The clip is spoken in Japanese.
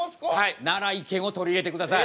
なら意見を取り入れてください。